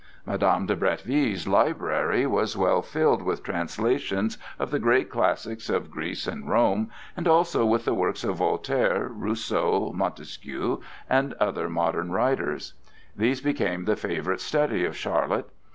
Madame de Bretteville's library was well filled with translations of the great classics of Greece and Rome, and also with the works of Voltaire, Rousseau, Montesquieu and other modern writers. These became the favorite study of Charlotte.